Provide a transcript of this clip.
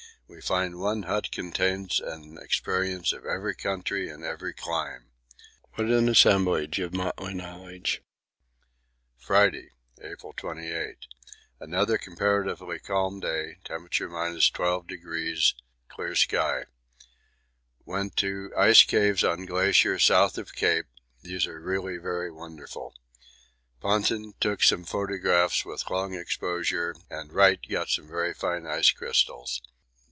We find one hut contains an experience of every country and every clime! What an assemblage of motley knowledge! Friday, April 28. Another comparatively calm day temp. 12°, clear sky. Went to ice caves on glacier S. of Cape; these are really very wonderful. Ponting took some photographs with long exposure and Wright got some very fine ice crystals.